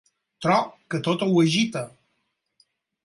Tro que tot ho agita.